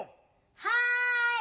はい！